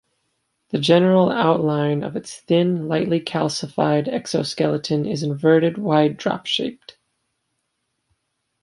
The general outline of its thin, lightly calcified exoskeleton is inverted wide drop-shaped.